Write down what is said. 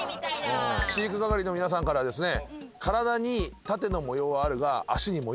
飼育係の皆さんからはですね。